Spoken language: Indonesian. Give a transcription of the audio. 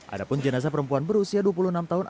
ada pun jenazah perempuan berusia dua puluh enam tahun